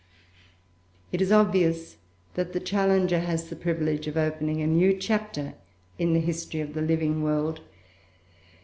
It is obvious that the Challenger has the privilege of opening a new chapter in the history of the living world.